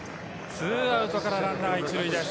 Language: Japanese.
２アウトからランナー１塁です。